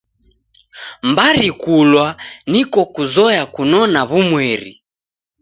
Mbari kulwa niko kuzoya kunona w'umweri.